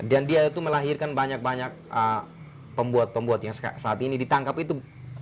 dan dia itu melahirkan banyak banyak pembuat pembuat yang saat ini ditangkap itu